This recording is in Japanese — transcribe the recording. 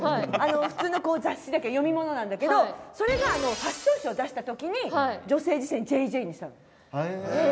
普通の雑誌だけど読み物なんだけどそれがファッション誌を出したときに『女性自身』『ＪＪ』にしたの別冊で。